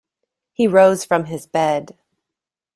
He rose from his bed.